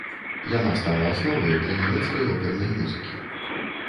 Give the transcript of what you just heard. Яна стала асновай для нямецкай опернай музыкі.